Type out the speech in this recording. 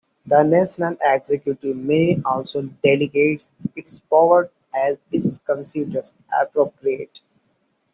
The National Executive may also delegate its powers as it considers appropriate.